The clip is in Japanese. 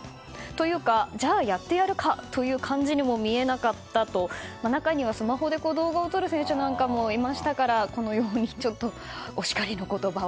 というか、じゃあやってやるかという感じにも見えなかったと中には、スマホで動画を撮る選手なんかもいましたからこのようにちょっとお叱りの言葉を。